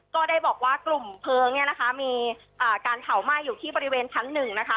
ก็ได้บอกว่ากลุ่มเพลิงเนี่ยนะคะมีการเผาไหม้อยู่ที่บริเวณชั้นหนึ่งนะคะ